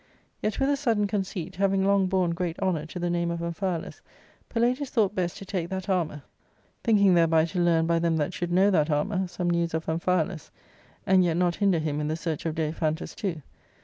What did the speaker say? Yet, with a sudden conceit, having long borne great honour to the name of Amphialus, Palladius thought best to take that armour, thinking thereby to learn by them that should know that armour some news of Amphialus, and yet , not hinder him in the search of Daiphantus too.